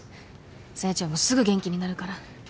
沙耶ちゃんもすぐ元気になるから。